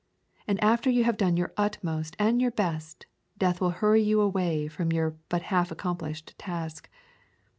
And after you have done your utmost, and your best, death will hurry you away from your but half accomplished task.